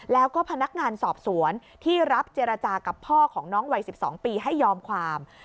แล้วก็พนักงานสอบสวนที่รับเจรจากับพ่อของน้องวัย๑๒ปีให้ยอมความ